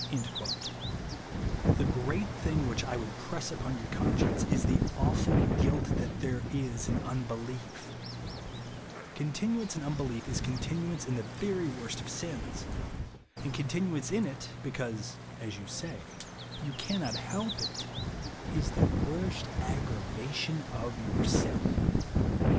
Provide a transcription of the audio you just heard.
The great thing which I would press upon your conscience is the aiifid guilt that there is in unbelief Continuance in unbelief is continuance in the very worst of sins ; and continuance in it, because (as you say) you cannot help it, is the worst aggravation of your sin.